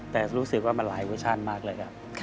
แต่มันหลายเวอร์ชั่นมากเลยครับ